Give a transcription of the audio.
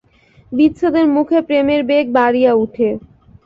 বিচ্ছেদের মুখে প্রেমের বেগ বাড়িয়া উঠে।